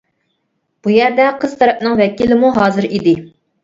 بۇ يەردە قىز تەرەپنىڭ ۋەكىلىمۇ ھازىر ئىدى.